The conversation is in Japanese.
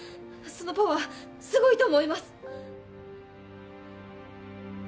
そのパワーすごいと思います。